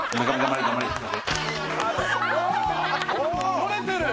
「撮れてる！」